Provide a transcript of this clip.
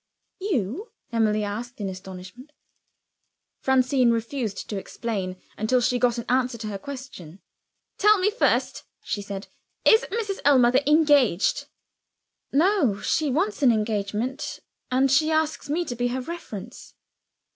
"You?" Emily asked, in astonishment. Francine refused to explain until she got an answer to her question. "Tell me first," she said, "is Mrs. Ellmother engaged?" "No; she wants an engagement, and she asks me to be her reference."